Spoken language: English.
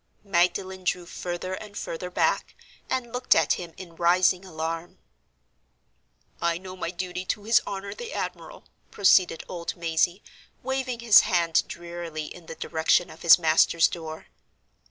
Magdalen drew further and further back, and looked at him in rising alarm. "I know my duty to his honor the admiral," proceeded old Mazey, waving his hand drearily in the direction of his master's door.